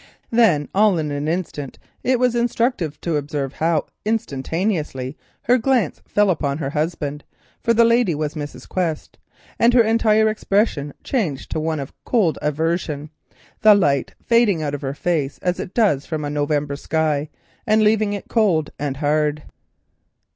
Then, all in an instant, it was instructive to observe how instantaneously, her glance fell upon her husband (for the lady was Mrs. Quest) and her entire expression changed to one of cold aversion, the light fading out of her face as it does from a November sky, and leaving it cold and hard.